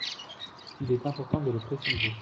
Il est important de le préciser.